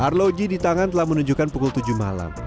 arloji di tangan telah menunjukkan pukul tujuh malam